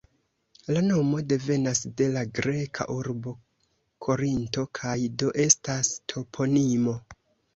La nomo devenas de la greka urbo Korinto kaj do estas toponimo.